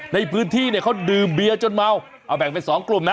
ในพื้นที่เนี่ยเขาดื่มเบียร์จนเมาเอาแบ่งเป็นสองกลุ่มนะ